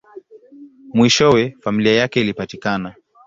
Mwishowe, familia yake ilipatikana.